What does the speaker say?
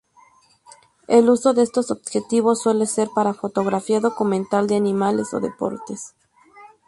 El uso de estos objetivos suele ser para fotografía documental de animales o deportes.